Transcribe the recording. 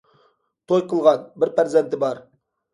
توي قىلغان، بىر پەرزەنتى بار.